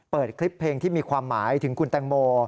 เปิดคลิปเพลงที่มีความหมายถึงคุณแตงโม